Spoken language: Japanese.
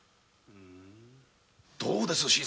どうです